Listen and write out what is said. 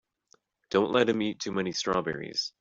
Don't let him eat too many strawberries.